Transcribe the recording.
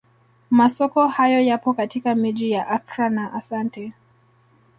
Masoko hayo yapo katika miji ya Accra na Asante